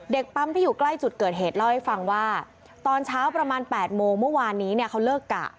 ปั๊มที่อยู่ใกล้จุดเกิดเหตุเล่าให้ฟังว่าตอนเช้าประมาณ๘โมงเมื่อวานนี้เนี่ยเขาเลิกกะ